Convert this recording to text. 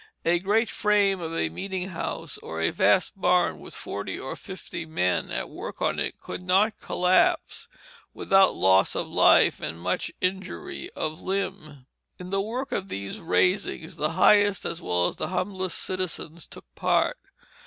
A great frame of a meeting house, or a vast barn with forty or fifty men at work on it, could not collapse without loss of life and much injury of limb. In the work of these raisings the highest as well as the humblest citizens took part.